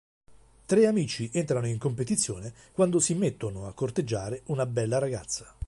Tre amici entrano in competizione quando si mettono a corteggiare una bella ragazza.